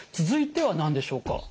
続いては何でしょうか？